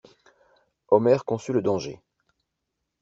Omer conçut le danger.